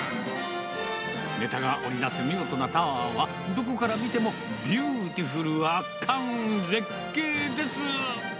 ねたが織りなす見事なタワーは、どこから見てもビューティフル、圧巻、絶景です。